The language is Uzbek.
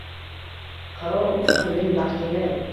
Qaro qilding baxtingni?